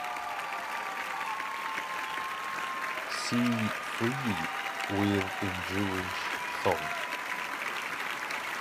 See Free will In Jewish thought.